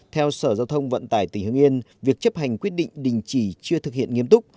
theo sở giao thông vận tải tỉnh hưng yên việc chấp hành quyết định đình chỉ chưa thực hiện nghiêm túc